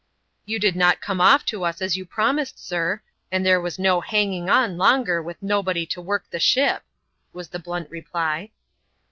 " You did not come off to us, as you promised, sir ; and then was no hanging on longer with nobody to work the ship," wat the blunt reply.